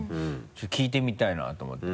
ちょっと聞いてみたいなと思って。